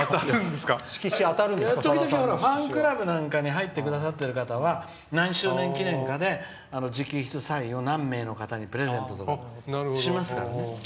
時々、ファンクラブなんかに入ってくださっている方は何周年記念とかで直筆サインを何名の方にプレゼントとかしますからね。